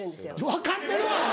分かってるわアホ！